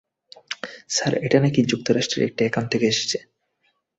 Sir, এটা নাকি যুক্তরাষ্ট্রের একটা অ্যাকাউন্ট থেকে এসেছে।